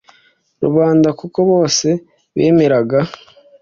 Rubanda kuko bose bemeraga